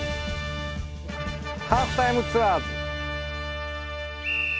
『ハーフタイムツアーズ』！